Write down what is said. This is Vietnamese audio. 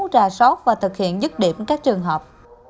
ra sót và thực hiện dứt điểm các trường hợp